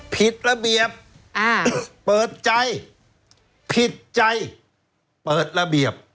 ผิดระเบียบเปิดใจผิดระเบียบ